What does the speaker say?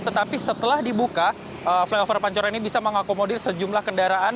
tetapi setelah dibuka flyover pancoran ini bisa mengakomodir sejumlah kendaraan